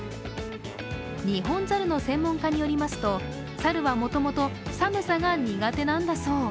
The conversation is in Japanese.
日本猿の専門家によりますと猿はもともと寒さが苦手なんだそう。